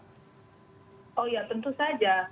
oh iya tentu saja